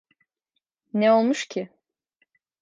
Ne olmuş ki?